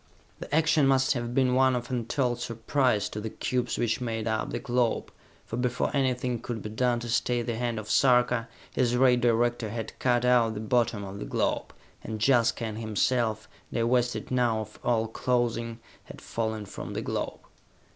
The action must have been one of untold surprise to the cubes which made up the globe, for before anything could be done to stay the hand of Sarka, his ray director had cut out the bottom of the globe, and Jaska and himself, divested now of all clothing, had fallen from the globe.